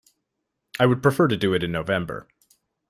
I would prefer to do it in November.